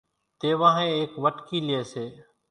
تيوانۿين ايڪ وٽڪي لئي سي